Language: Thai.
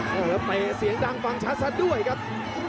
แล้วเตะเสียงดังฟังชัดซะด้วยครับ